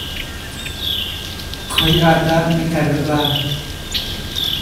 Hla ka sa.